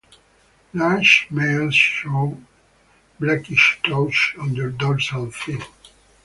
Large males show blackish blotches on the dorsal fin.